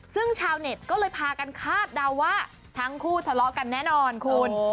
ซึ่งชาวเน็ตก็เลยพากันคาดเดาว่าทั้งคู่ทะเลาะกันแน่นอนคุณ